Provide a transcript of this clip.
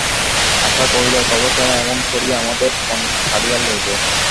আশা কহিল, তবে কেন এমন করিয়া আমাদের মন কাড়িয়া লইলে।